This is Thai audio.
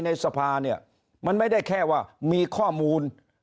ในสภาเนี่ยมันไม่ได้แค่ว่ามีข้อมูล